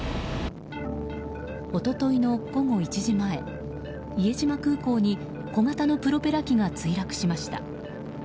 一昨日の午後１時前伊江島空港に小型のプロペラ機が墜落しました。